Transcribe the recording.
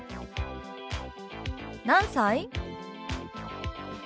「何歳？」。